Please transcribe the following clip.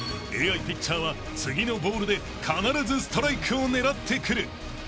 ［ＡＩピッチャーは次のボールで必ずストライクを狙ってくる］